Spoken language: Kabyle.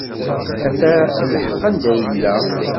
Ata lḥeq anda yella.